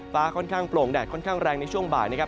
ฟ้าค่อนข้างโปร่งแดดค่อนข้างแรงในช่วงบ่ายนะครับ